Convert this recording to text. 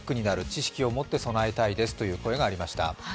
知識を持って備えたいですという声がありました。